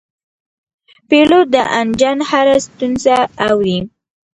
پیلوټ د انجن هره ستونزه اوري.